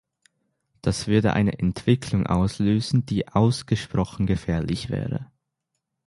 Das würde eine Entwicklung auslösen, die ausgesprochen gefährlich wäre.